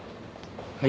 はい？